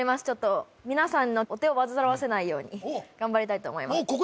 ちょっと皆さんのお手を煩わせないように頑張りたいと思います